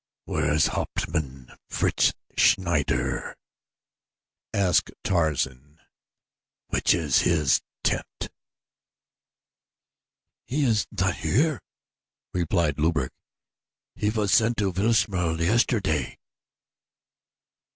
"Where is Hauptmann Fritz Schneider?" asked Tarzan, "Which is his tent?" "He is not here," replied Luberg. "He was sent to Wilhelmstal yesterday."